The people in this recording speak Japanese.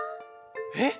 えっ？